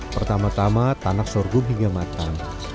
pertama tama tanak sorghum hingga matang